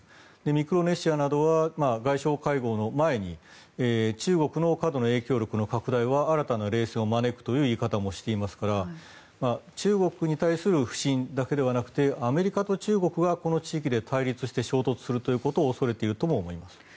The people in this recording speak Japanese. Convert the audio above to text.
ミクロネシアなどは外相会合の前に中国の過度の影響力の拡大は新たな冷戦を招くという言い方もしてますから中国に対する不信だけではなくてアメリカと中国がこの地域で対立して衝突するということを恐れているとも思います。